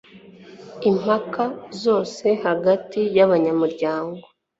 impaka zose hagati y abanyamuryango